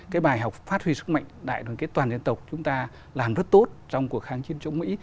cái bài học phát huy sức mạnh đại đoàn kết toàn dân tộc chúng ta làm rất tốt trong cuộc kháng chiến chống mỹ